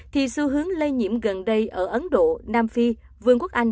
thì xu hướng lây nhiễm gần đây ở ấn độ nam phi vương quốc anh